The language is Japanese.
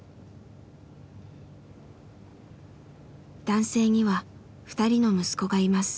男性には２人の息子がいます。